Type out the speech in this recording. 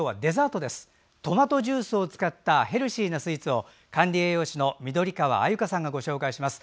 トマトジュースを使ったヘルシーなスイーツを管理栄養士の緑川鮎香さんがご紹介します。